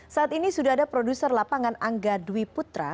saat ini sudah ada produser lapangan angga dwi putra